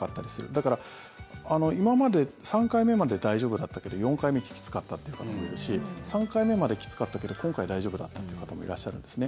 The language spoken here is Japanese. だから、今まで３回目まで大丈夫だったけど４回目きつかったという方もいるし３回目まできつかったけど今回大丈夫だったという方もいらっしゃるんですね。